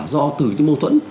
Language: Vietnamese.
do từ những mâu thuẫn